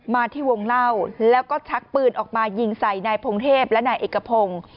มาที่วงเล่าแล้วก็ชักปืนออกมายิงใส่นายพงเทพและนายเอกพงศ์